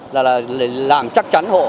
làm chắc chắn hộ